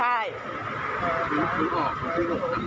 ไม่ได้ยังไม่ได้